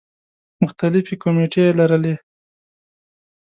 مختلفې کومیټې یې لرلې.